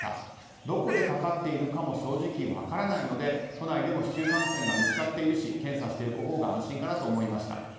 どこでかかっているかも正直分からないので、都内でも市中感染が見つかっているし検査しておくほうが安心かなと思いました。